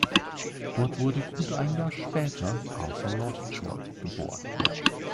Dort wurde gut ein Jahr später Arthur Lovejoy geboren.